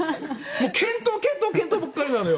検討、検討、検討ばかりなのよ。